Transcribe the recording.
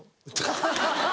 ハハハ！